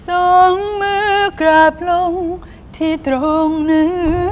สองมือกราบลงที่ตรงเนื้อ